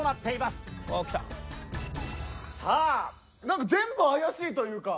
なんか全部怪しいというか。